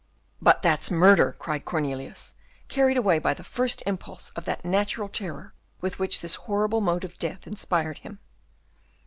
"But that's murder," cried Cornelius, carried away by the first impulse of the very natural terror with which this horrible mode of death inspired him.